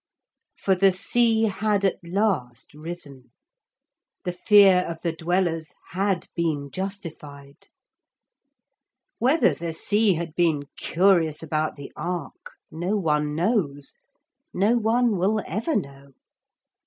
For the sea had at last risen. The fear of the Dwellers had been justified. Whether the sea had been curious about the ark no one knows, no one will ever know.